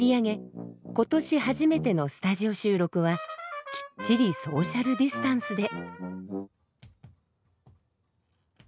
今年初めてのスタジオ収録はきっちりソーシャルディスタンスで。